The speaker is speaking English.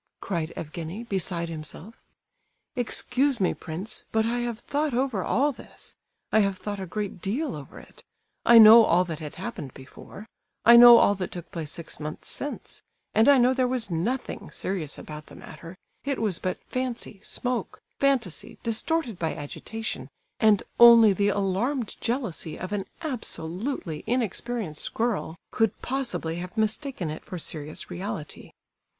cried Evgenie, beside himself: "Excuse me, prince, but I have thought over all this; I have thought a great deal over it; I know all that had happened before; I know all that took place six months since; and I know there was nothing serious about the matter, it was but fancy, smoke, fantasy, distorted by agitation, and only the alarmed jealousy of an absolutely inexperienced girl could possibly have mistaken it for serious reality."